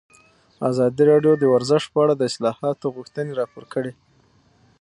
ازادي راډیو د ورزش په اړه د اصلاحاتو غوښتنې راپور کړې.